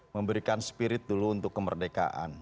memberikan spirit dulu untuk kemerdekaan